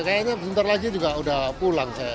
kayaknya sebentar lagi juga udah pulang saya